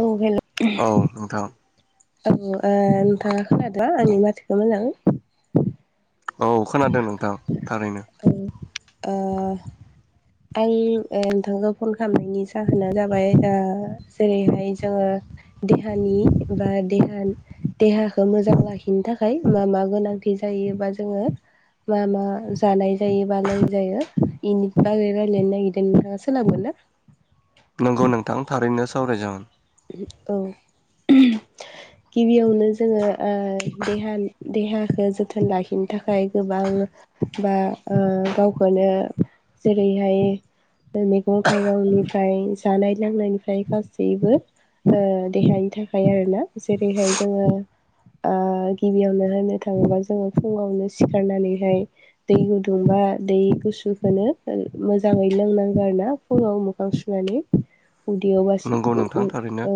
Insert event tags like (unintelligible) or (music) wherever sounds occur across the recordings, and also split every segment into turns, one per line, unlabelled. औ हेल'
औ नोंथां
औ ओ नोंथाङा खोनादोंबा आंनि माथोखौ मोजाङै
औ खोनादों नोंथां थारैनो
ओ आं ओ नोंथांखौ फन खालामनायनि जाहोना जाबाय जेरैहाय जोङो देहानि बा देहाखौ मोजां लाखिनो थाखाय मा मा गोनांथि जायो जायोबा जोङो मा मा जानाय जायोबा लोंजायो ओरै रायज्लायनो नागिरदों नोंथाङा सोलाबगोनना
सावराय जागोन
औ गिबियावनो जोङो ओ देहा देहाखौ जोथोन लाखिनो थाखाय गोबां बा ओ गावखौनो जेरैहाय मैगं थाइगंनिफ्राय जानाय लोंनायनिफ्राय गासैबो ओ देहानि थाखाय आरोना जेरैहाय जोङो । ओ गिबियावनो होननो थाङोबा जोङो फुङावनो सिखारनानैहाय दै गुदुं बा दै गुसुखौनो मोजाङै लोंनांगौ आरो ना फुङाव मोखां सुनानै उदैयाव बासि
नंगौ नोंथां थारैनो
औ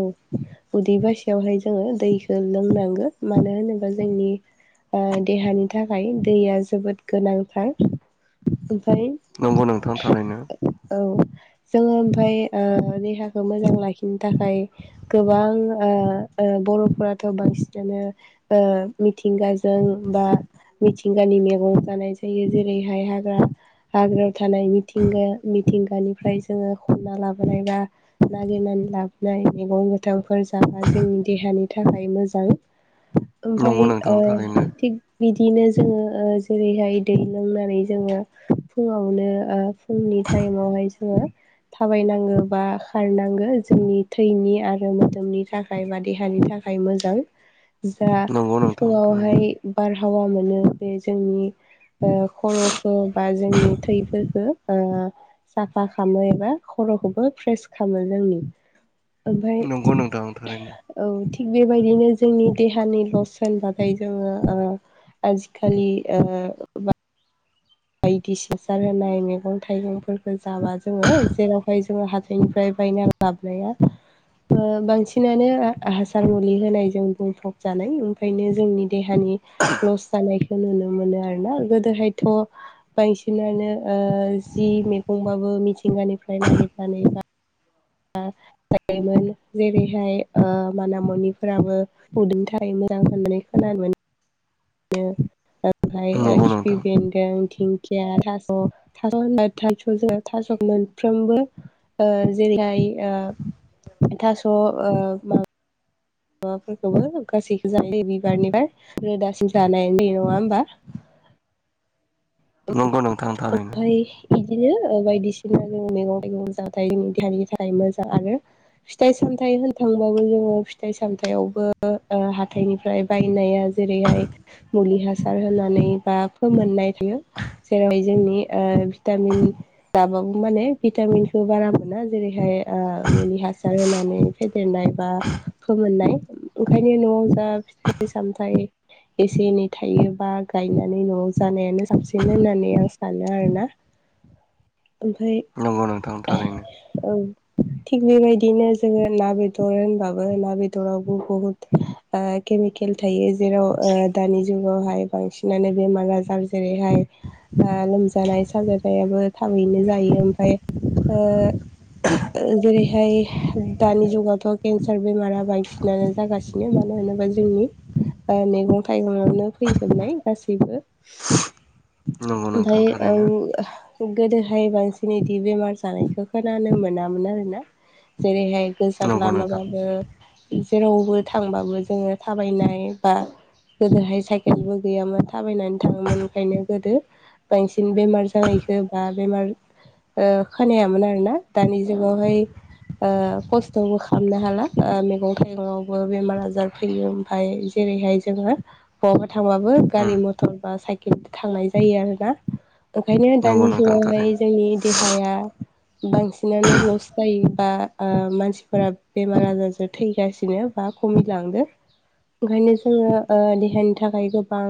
उदै बासियावहाय जोङो दैखौ लोंनांगोन मानो होनोबा जोंनि ओ देहानि थाखाय दैया जोबोद गोनांथार । ओमफ्राय
नंगौ नोंथां थारैनो
औ जोङो ओमफ्राय ओ देहाखौ मोजां लाखिनो थाखाय गोबां ओ ओ बर'फोराथ' बांसिनानो ओ मिथिंगाजों बा मिथिंगानि मेगं जानाय जायो जेरैहाय हाग्रा हाग्रायाव थानाय मिथिंगा मिथिंगानिफ्राय जोङो खनना लाबोनाय बा नागिरनानै लाबोनाय मैगं गोथांफोर जाबा जोंनि देहानि थाखाय मोजां ओमफ्राय
नंगौ
ओ
नोंथां थारैनो
थिग बिदिनो जोङो ओ जेरैहाय दै लोंनानै जोङो फुङावनो ओ फुं नि टाइमावहाय जोङो थाबायनांगौ बा खारनांगौ जोंनि थैनि आरो मोदोमनि थाखाय बा देहानि थाखाय मोजां जा
नंगौ नोंथां थारैनो
फुङावहाय बारहावा मोनो बे जोंनि ओ खर'खौ बा जोंनि थैफोरखौ साफा खालामो एबा बो फ्रेस खालामो जोंनि ओमफ्राय
नंगौ नोंथां थारैनो
औ थिग बेबायदिनो जोंनि देहानि लस होनबाथाय जोङो ओ आजिखालि ओ बायदि सिसार होनाय मैगं थाइगंफोरखौ जाबा जोङो जेरावहाय जोङो हाथायनिफ्राय बायना लाबो नाया बांसिनानो हासार मुलि होनायजों बुंफब जानाय ओंखायनो जोंनि देहानि लस जानायखौ नुनो मोनो आरोना गोदोहायथ' बांसिनानो ओ जि मैगंबाबो मिथिंगानिफ्राय नाहबनानै बा आ जेरैहाय माना मनिफोराबो उदैनि थाखाय मोजां होननानै खोनादों। (unintelligible) ओमफ्राय
नंगौ
खिफि
नोंथां
बेन्दों दिंखिया थास' (unintelligible) मोनफ्रोबो जाय ओ थास' ओ माबा माबाफोरखौबो गासैखौ जानाय बिबारनि फ्राय रोदासिम जानाय जायो नङा होमबा।
नंगौ नोंथां थारैनो।
बिदिनो बायदिसिना जों मैगं थाइगं जाथाय जोंनि देहानि थाखाय मोजां आरो फिथाइ सा मथायाइ होननो थांबाबो जोङो फिथाइ सामथायावबो हाथाइनिफ्राय बायनाया जेरैहाय मुलि हासार होनानै बा फोमोननाय थायो। जेरैहाय जोंनि ओ भिटामिन लाबाबो माने भिटामिनखौ बारा मोना जेरै मुलि हासार होनानै फेदेरनाय बा फोमोननाय ओंखायनो न' फिथाइ सामथाइ एसे एनै थायोबा गायनानै न'आव जानायानो साबसिन। बिनो होननानै आं सानो आरो ना ओमफाय।
औ नोंथां थारैनो।
औ। थिग बेबायदिनो जोङो ना बेदर होनबाबो ना बेदरावबो बहुत ओ केमिकेल थायो जेराव दानि जुगावहाय बांसिनानो बेमार आजार जेरैहाय लोमजानाय साजानायाबो थाबैनो जायो ओमफ्राय जेरैहाय दानि जुगावथ' केन्सार बेमारा बायदिसिनानो जागासिनो माने होनोबा जोंनि मैगं थाइगङावनो फैजोबनाय गासैबो
औ
ओमफ्राय औ गोदोहाय बांसिन इदि बेमार जानायखौ खोनानो मोनामोन आरोना। जेरैहाय गोजान
नंगौ नोंथां
लामाबाबो जेरावबो थांबाबो जोङो थाबायनाय बा गोदोहाय साइकेलबो गैयामोन थाबायनानै थाङोमोन ओंखायनो। गोदो बांसिन बेमार जानायखौ बा बेमार खोनायामोन आरो ना दानि जुगावहाय ओ खस्थ'बो खालामनो हाला मैगं थाइगङावबो बेमार आजार फैयो ओमफ्राय। जेरैहाय जोङो बहाबा थांबाबो गारि
उम
मथर बा साइकेल थांनाय जायो आरोना ओंखायनो
नंगौ
दानि
नोंथां
जुगावहाय
थारैनो
जोंनि देहाया बांसिनानो लस जायोबा मानसिफोरा बेमार आजारजों थैगासिनो बा (unintelligible) ओंखायनो जोङो देहानि थाखाय गोबां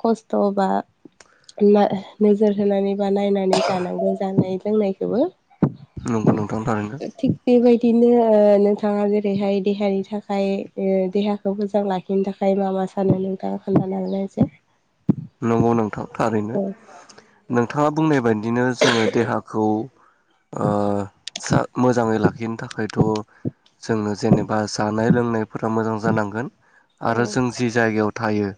खस्थ' बा नोजोर होनानै बा नायनानै जानांगौ जानाय लोंनायखौबो
नंगौ नोंथां थारैनो
थिग बेबायदि नो नोंथाङा जेरैहाय देहानि थाखाय देहाखौ मोजां लाखिनो थाखाय माबा सानो नोंथाङा खोन्थानो हागोनना एसे।
नंगौ नोंथां थारैनो नोंथाङा बुंनाय बायदि। बिदिनो जोङो देहाखौ मोजाङै लाखिनो थाखायथ' जों जेनेबा जानाय लोंनायफोरा मोजां जानांगोन आरो जों जि जायगायाव थायो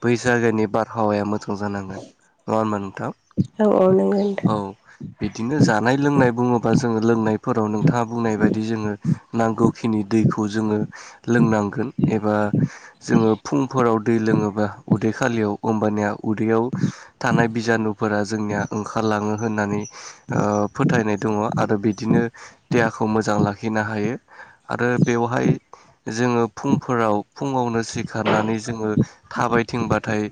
बै जायगानि बा रहावाया मोजां जानांगोन नङा होनबा नोंथां?
औ औ नंगौ नोंथां
औ बिदिनो जानाय लोंनाय बुङोबा जोङो लोंनाय फोराव नोंथाङा बुंनाय बायदि जोङो नांगौखिनि दैखौ जोङो लोंनांगोन एबा जोङो फुंफोराव दै लोङोबा उ उदै खालियाव होमबानिया उदैयाव थानाय बिजानुफोरा जोंनिया ओंखारलाङो होननानै ओ फोथायनाय दङ आरो बिदिनो देहाखौ मोजां लाखिनो हायो आरो बेवहाय जोङो फुंफोराव फुङावनो सिखारनानै जोङो थाबायथिंबाथाय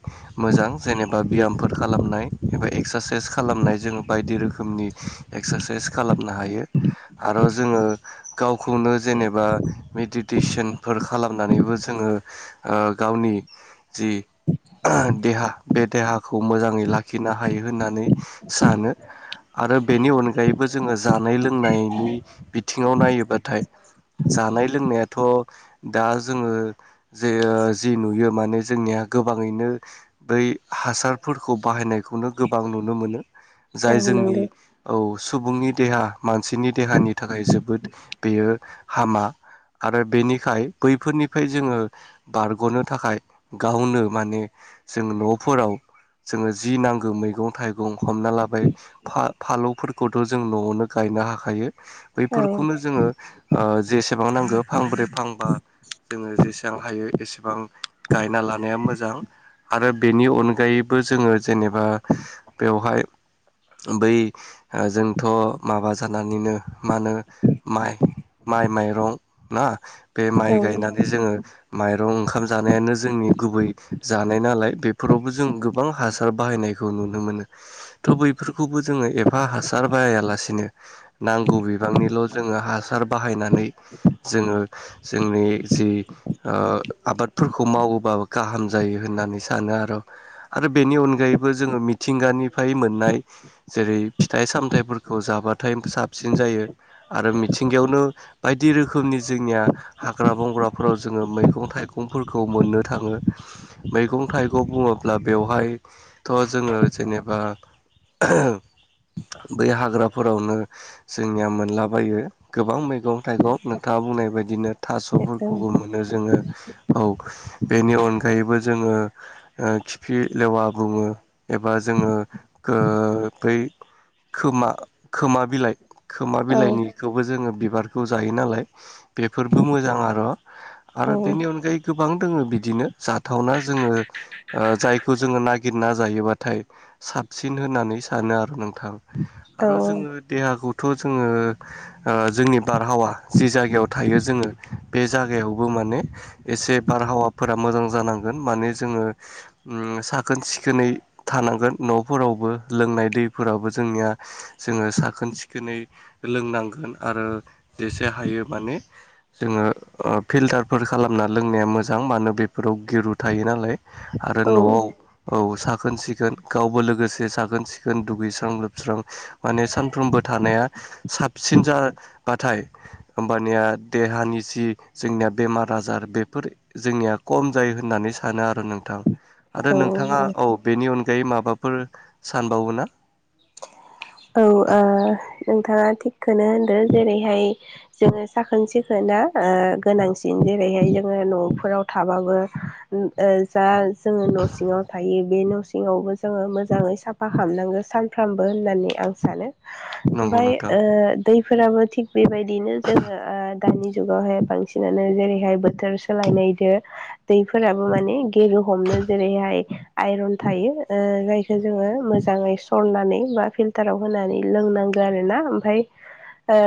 मोजां जेनेबा बियामफोर खालामनाय एबा एक्सारसाइस खालामनाय जोङो बायदि रोखोमनि एक्सारसाइस खालामनो हायो आरो जोङो गावखौनो जेनेबा मेडिटेसनफोर खालामनानैबो जोङो ओ गावनि जि देहा बे देहाखौ मोजाङै लाखिनो हायो होननानै सानो आरो बेनि अनगायैबो जोङो जानाय लोंनायनि बिथिङाव नायोबाथाय जानाय लोंनायाथ' दा जोङो जे ओ जि नुयो माने जोंनिया गोबां ङैनो बै हासारफोरखौ बाहायनायखौनो गोबां नुनो मोनो जाय
औ
जोंनि
नंगौ
औ सुबुंनि देहा मानसिनि देहानि थाखाय जोबोद बेयो हामा आरो बेनिखाय बैफोरनिफ्राय जोङो बारगनो थाखाय गावनो माने जों नफोराव जोङो जि नांगौ मैगं थाइगं हमना लाबाय फा- फालौफोरखौथ जों नआवनो गाय यनो हाखायो बैफोरखौनो जोङो ओ जेसेबां नांगौ फांब्रै फांबा जोङो जेसेबां हायो एसेबां गायना लानाया मोजां मोजां आरो बेनि अनगायैबो जोङो जेनेबा बेवहाय बै ओ जोंथ' माबा जानानैनो मा होनो माइ माइ माइरं ना बे माइ गायनानै जोङो माइरं ओंखाम जानायानो जोंनि गुबै जानाय नालाय बेफोरावबो जों गोबां हासार बाहायनायखौ नुनो मोनो थ बैफोरखौबो जोङो एप एफा हासार बाहायालासिनो नांगौ बिबांनिल जोङो हासार बाहायनानै जोङो जोंनि जि ओ आबादफोरखौ मावोबा गाहाम जायो होननानै सानो आरो आरो बेनि अनगायैबो जोङो मिथिंगानिफ्राय मोननाय जेरै फिथाइ सामथाइफोरखौ जाबाथाय साबसिन जायो आरो मिथिंगायावनो बायदि रोखोमनि जोंनिया हाग्रा बंग्राफोराव जोङो मैगं थाइगंफोरखौ मोननो थाङो मैगं थाइगं बुङोब्ला बेवहायथ' जोङो जेनेबा बै हाग्राफोरावनो जोंनिया मोनलाबायो गोबां मैगं थाइगं नोंथाङा बुंनाय बायदिनो
औ औ औ
थास'फोरखौबो मोनो जोङो औ बेनि अनगायैबो जोङो ओ खिफि लेवा बुङो एबा जोङो ओ बै खोमा खोमा बिलाइ खोमा
औ
बिलाइनिखौबो जोङो बिबारखौ जायो नालाय बेफोरबो मोजां आर आरो बेनि अनगायै गोबां दङ बिदिनो जा थावना जोङो ओ जायखौ जोङो नागिरना जायोबाथाय साबसिन होननानै सानो आरो नोंथां
ओ
आरो जोङो देहाखौ थ जोङो ओ जोंनि बारहावा जि जायगायाव थायो जोङो बे जायगायावबो मा माने एसे बारहावाफोरा मोजां जानांगौ गोन माने जोङो ओम साखोन सिखोनै थानांगोन नफोरावबो लोंनाय दै फोराबो जोंनिया जोङो साखोन सिखोनै लोंनांगोन आरो जेसे हा हायो माने‌ जोङो ओ फिलटारफोर खालामना लोंनाया मोजां माने बेफोराव गिरु थायो नालाय आरो नआव औ साखोन सिखोन गावबो लोगोसे साखोन सिखोन दुगैस्रां लोबस्रां माने सानफ्रोमबो थानाया आं साबसिन जाबाथाय होमबानिया देहानि जि जोंनिया बेमार आजार बेफोर जोंनिया खम जायो होननानै सानो आरो नोंथां आरो नोंथाङा औ बेनि अन अनगायै माबाफोर सानबावोना?
औ ओ नोंथाङा थिग खौनो होनदों जेरैहाय जोङो साखोन सिखोना ओ ओ गोनांसिन जेरैहाय जोङो न'फोराव थाबाबो ओ जा जोङो न' सिङाव थायो बे न' सिङावबो जोङो मोजाङै साफा खालामनांगौ सान सानफ्रामबो होननानै आं सानो
नंगौ
ओमफ्राय
नोंथां
ओ दैफोराबो थिग बेबायदिनो जोङो ओ दानि जुगावहाय बांसिनानो जेरैहाय बोथोर सोलायनायजों दैफोराबो माने गेरु हमनो जेरैहाय आयरन थायो जायखौ जोङो मोजाङै सु सरनानै बा फिल्टाराव होनानै लोंनांगौ आरोना ओमफ्राय ओ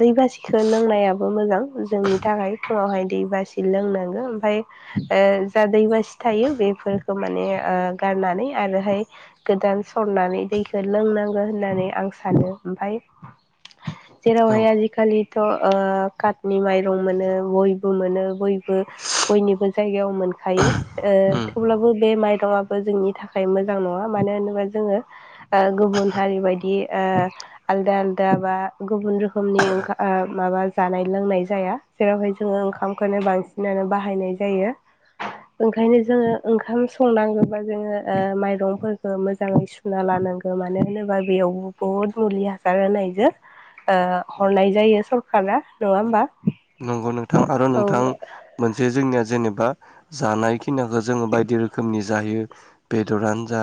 दै बासिखौ लोंनायाबो मोजां जोंनि थाखाय फुङावहाय दैबासि लोंनांग गो ओमफ्राय ओ जा दैबासि थायो बेफोरखौ माने ओ गारनानै आरोहाय गोदान सरनानै दैखौ लोंनांगौ होननानै आं सानो ओमफ्राय
औ
जेरावहाय आजिखालि थ' ओ काटनि माइरं मोनो गयबो मोनो गय बो बयनिबो जायगायाव मोनखायो ओ
उम
थेवब्लाबो बे माइरंआ बो जोंनि थाखाय मोजां नङा मानो होनोबा जोङो ओ गुबुन हारि बायदि ओ आलादा आलादा बा गुबुन रोखोमनि ओं माबा जानाय लोंनाय जाया जेरावहाय जोङो ओंखामखौनो बांसिनानो बाहायनाय जायो ओंखायनो जोङो ओंखाम संनांगौबा जोङो ओ माइरंफोरखौ मोजाङै सुना लानांगौ ओ मानो होनोबा बेयावबो बुहुत मुलि हासार होनायजों ओ हरनाय जायो स खाना नङा होमबा
नंगौ नोंथां आरो
औ
नोंथां मोनसे जोंनिया जेनेब जेनेबा जानायखिनिखौ जोङो बायदि रोखोमनि जायो बेदरानो जा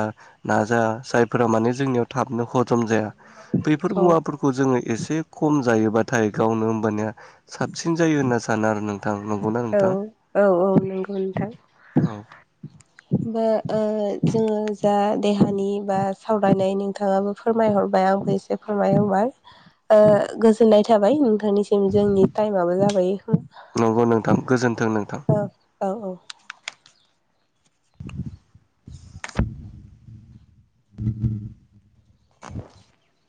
ना जा जायफोरा माने जोंनियाव थाबनो हजम जाया बेफोर
औ
मुवाफोरखौ जोङो एसे खम जायोबाथाय गावनो होमबानिया साबसिन जायो होनना सानो आरो नों
औ औ औ नंगौ नोंथां
औ
होमबा ओ जोङो जा देहानि बा सावरायनाय नोंथाङाबो फोरमायहर बाय आंखौ एसे फोरमायहोबाय ओ गोजोननाय थाबाय नोंथांनिसिम जोंनि टाइमाबो जाबाय
नंगौ नोंथां गोजोन्थों नों
ओ औ औ (inaudible)
(inaudible)